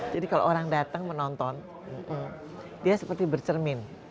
jadi kalau orang datang menonton dia seperti bercermin